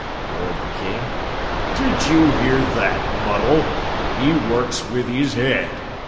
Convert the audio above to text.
roared the King. "Did you hear that, Muddle? He works with his head.